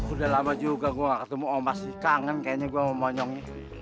udah lama juga gua nggak ketemu omas kangen kayaknya gua mau monyongnya